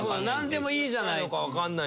何でもいいじゃない。